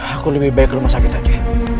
aku lebih baik ke rumah sakit aja